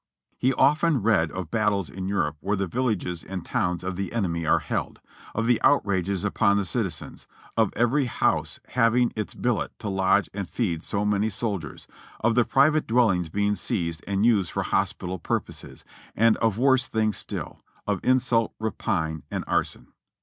We often read of battles in Europe where the villages and towns of the enemy are held, of the outrages upon the citizens, of every house having its billet to lodge and feed so many soldiers ; of the private dwellings being seized and used for hospital pur poses ; and of worse things still : of insult, rapine and arson.